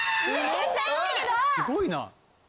すごいな。